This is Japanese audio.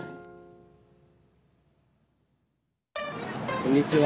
こんにちは。